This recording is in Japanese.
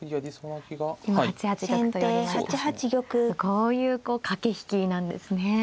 こういう駆け引きなんですね。